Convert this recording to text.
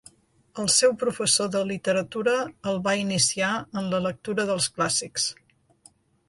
El seu professor de literatura el va iniciar en la lectura dels clàssics.